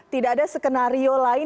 tidak ada skenario lain